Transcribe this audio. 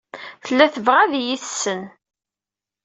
Tella tebɣa ad iyi-tessen.